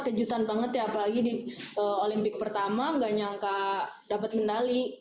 kejutan banget ya apalagi di olimpik pertama nggak nyangka dapat mendali karena dari awal buat ngerintis karir pun